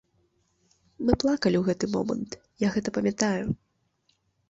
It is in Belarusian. Мы плакалі ў гэты момант, я гэта памятаю.